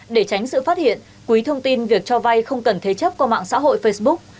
để tránh sự phát hiện quý thông tin việc cho vay không cần thế chấp qua mạng xã hội facebook